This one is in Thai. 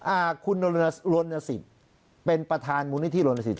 อ่าคุณลนสิทธิ์เป็นประธานมูลนิธิรณสิทธ